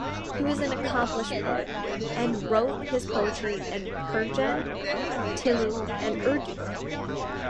He was an accomplished poet and wrote his poetry in Persian, Telugu and Urdu.